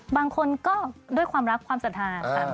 บางคนก็ด้วยความรับโซธันบาท